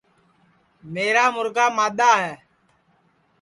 میرا مُرگا مادؔا ہے